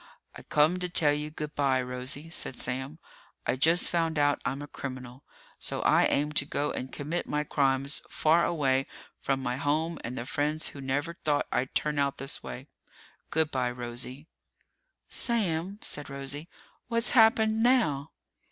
"I come to tell you good by, Rosie," said Sam. "I just found out I'm a criminal, so I aim to go and commit my crimes far away from my home and the friends who never thought I'd turn out this way. Good by, Rosie." "Sam!" said Rosie. "What's happened now?"